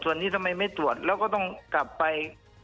ส่วนนี้ทำไมไม่ตรวจแล้วก็ต้องกลับไป